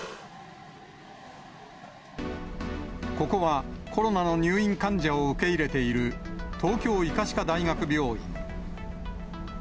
ここは、コロナの入院患者を受け入れている、東京医科歯科大学病院。